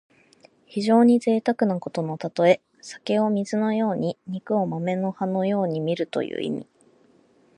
非常にぜいたくなことのたとえ。酒を水のように肉を豆の葉のようにみるという意味。